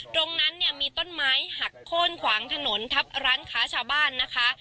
ตรงนั้นเนี่ยมีต้นไม้หักโค้นขวางถนนทับร้านค้าชาวบ้านนะคะ